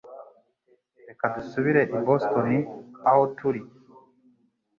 Reka dusubire i Boston aho turi